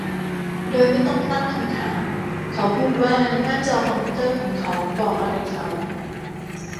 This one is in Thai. โดยไม่ต้องตั้งคำถามเขาพูดว่าหน้าจอคอมพิวเตอร์ของเขาบอกอะไรเขา